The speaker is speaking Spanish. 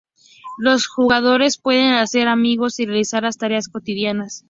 Los jugadores pueden hacer amigos y realizar las tareas cotidianas.